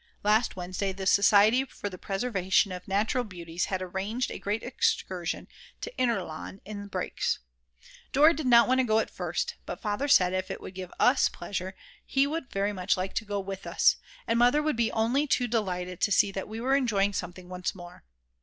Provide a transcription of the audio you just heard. Last Wednesday the Society for the Preservation of Natural Beauties had arranged a great excursion to Inner Lahn in breaks. Dora did not want to go at first, but Father said that if it would give us pleasure, he would very much like to go with us, and Mother would be only too delighted to see that we were enjoying something once more.